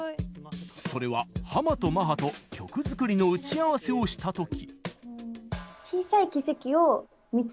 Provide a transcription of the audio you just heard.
それは、ハマとマハと曲作りの打ち合わせをしたとき。